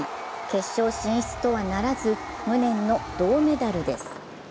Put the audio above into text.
決勝進出とはならず無念の銅メダルです。